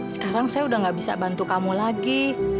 sekarang saya udah gak bisa bantu kamu lagi